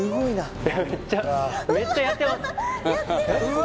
めっちゃめっちゃやってます